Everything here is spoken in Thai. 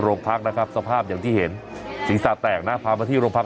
โรงพักนะครับสภาพอย่างที่เห็นศีรษะแตกนะพามาที่โรงพัก